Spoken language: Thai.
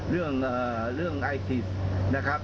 เรื่องไอซิสนะครับ